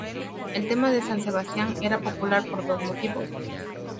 El tema de san Sebastián era popular por dos motivos.